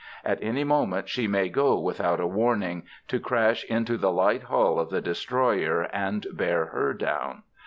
At any moment she may go without a warning, to crash into the light hull of the destroyer and bear her down.